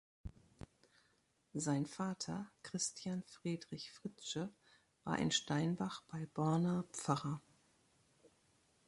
Sein Vater Christian Friedrich Fritzsche war in Steinbach bei Borna Pfarrer.